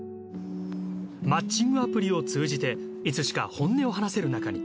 マッチングアプリを通じていつしか本音を話せる仲に。